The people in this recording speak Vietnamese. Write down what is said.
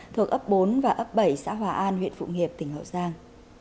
thuộc ấp bốn và ấp bảy xã hòa an huyện phụng hiệp tỉnh hậu giang